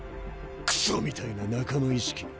くそみたいな仲間意識。